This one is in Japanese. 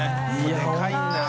でかいんだよ。